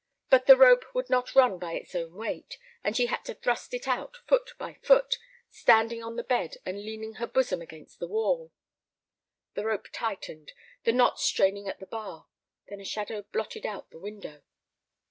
But the rope would not run by its own weight, and she had to thrust it out foot by foot, standing on the bed and leaning her bosom against the wall. The rope tightened, the knot straining at the bar. Then a shadow blotted out the window.